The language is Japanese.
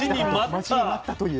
待ちに待ったという。